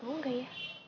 mau gak ya